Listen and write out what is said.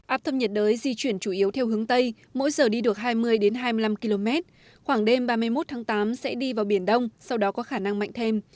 áp thấp nhiệt đới di chuyển chủ yếu theo hướng tây mỗi giờ đi được hai mươi hai mươi năm km khoảng đêm ba mươi một tháng tám sẽ đi vào biển đông sau đó có khả năng mạnh thêm